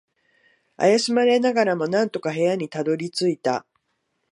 怪しまれながらも、なんとか部屋にたどり着いた。